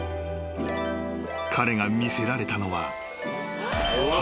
［彼が魅せられたのは］